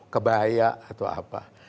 kebaya atau apa